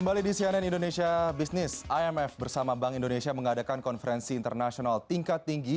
kembali di cnn indonesia business imf bersama bank indonesia mengadakan konferensi internasional tingkat tinggi